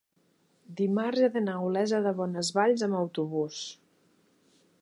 dimarts he d'anar a Olesa de Bonesvalls amb autobús.